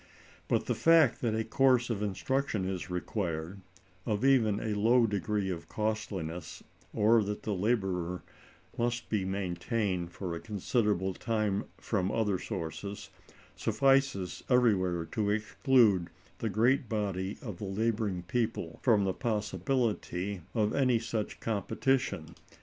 But the fact that a course of instruction is required, of even a low degree of costliness, or that the laborer must be maintained for a considerable time from other sources, suffices everywhere to exclude the great body of the laboring people from the possibility of any such competition.